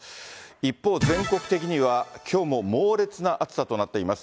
一方、全国的にはきょうも猛烈な暑さとなっています。